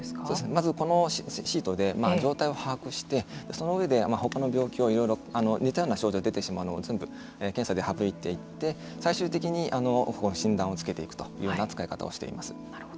まずシートで状態を把握してその上で、ほかの病気をいろいろ似たような症状が出てしまうのを全部検査で省いていって最終的に診断をつけていくというような使い方をしています。